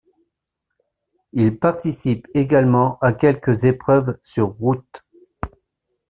Il participe également à quelques épreuves sur route.